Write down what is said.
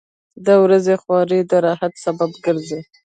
• د ورځې خواري د راحت سبب ګرځي.